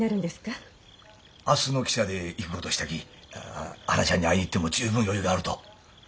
明日の汽車で行くごとしたきはなちゃんに会いに行っても十分余裕があると。